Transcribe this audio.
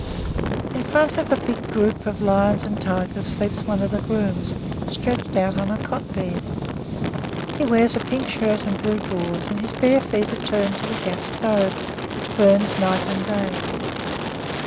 In front of the big group of lions and tigers sleeps one of the grooms, stretched on a cot bed. He wears a pink shirt and blue drawers, and his bare feet are turned to the gas stove, which burns night and day.